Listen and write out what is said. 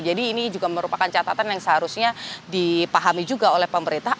jadi ini juga merupakan catatan yang seharusnya dipahami juga oleh pemerintah